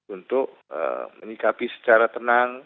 untuk menikapi secara tenang